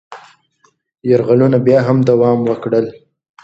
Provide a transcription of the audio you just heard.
یرغلونه بیا هم دوام وکړل.